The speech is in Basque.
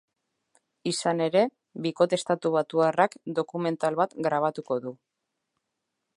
Izan ere bikote estatubatuarrak dokumental bat grabatuko du.